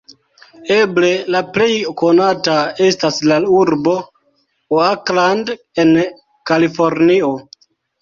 Eble le plej konata estas la urbo Oakland en Kalifornio.